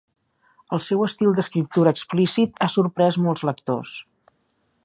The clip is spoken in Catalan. El seu estil d'escriptura explícit ha sorprès molts lectors.